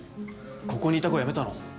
ここにいた子辞めたの？